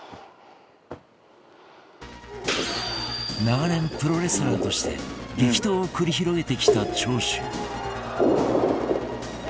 長年プロレスラーとして激闘を繰り広げてきた長州